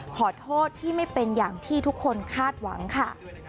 ขอโทษที่ไม่เป็นอย่างที่ทุกคนคาดหวังค่ะ